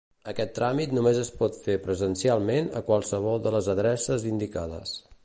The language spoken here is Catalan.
Aquest tràmit només es pot fer presencialment a qualsevol de les adreces indicades.